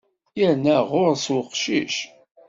Yerna ɣer ɣur-s uqcic.